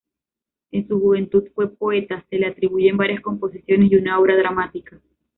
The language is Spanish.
En su juventud fue poeta, se le atribuyen varias composiciones y una obra dramática.